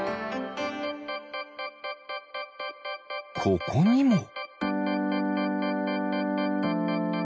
ここにも。